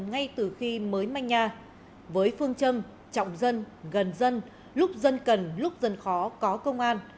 ngay từ khi mới manh nhà với phương châm trọng dân gần dân lúc dân cần lúc dân khó có công an